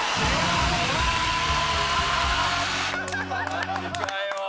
マジかよ